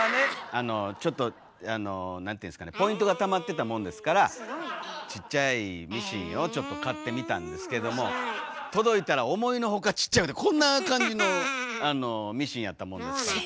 あのちょっと何ていうんですかねポイントがたまってたもんですからちっちゃいミシンをちょっと買ってみたんですけども届いたら思いのほかちっちゃくてこんな感じのミシンやったもんですから。